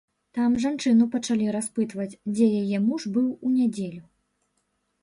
Там жанчыну пачалі распытваць, дзе яе муж быў у нядзелю.